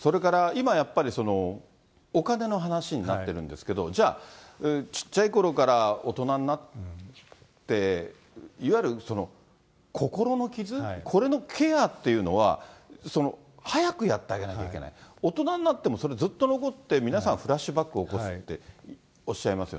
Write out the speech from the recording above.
それから今、やっぱりお金の話になってるんですけど、じゃあ、ちっちゃいころから大人になって、いわゆる心の傷、これのケアっていうのは、早くやってあげなきゃいけない、大人になってもそれ、ずっと残って、皆さんフラッシュバックを起こすっておっしゃいますよね。